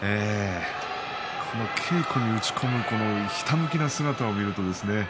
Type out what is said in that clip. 稽古に打ち込むひたむきな姿を見るとですね